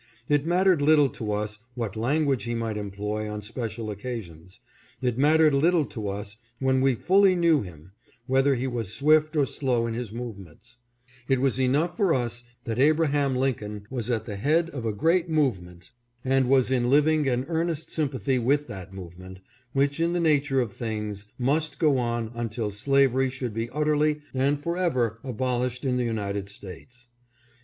It mattered little to us what language he might employ on special occasions ; it matttered little to us, when we fully knew him, whether he was swift or slow in his movements ; it was enough for us that Abraham Lincoln was at the head of a great movement, and was in living and earnest sym pathy with that movement, which, in the nature of things, * TWO HUNDRED THOUSAND OF THEM JOIN THE ARMY. 591 must go on until slavery should be utterly and forever abolished in the United States.